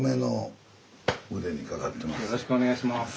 よろしくお願いします。